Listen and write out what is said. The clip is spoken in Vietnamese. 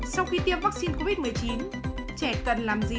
sau khi tiêm vắc xin covid một mươi chín trẻ cần làm gì